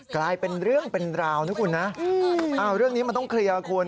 กลายเป็นเรื่องเป็นราวนะคุณนะเรื่องนี้มันต้องเคลียร์คุณ